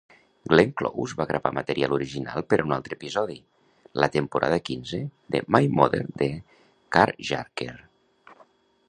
Glenn Close va gravar material original per a un altre episodi, la temporada quinze de "My Mother the Carjacker".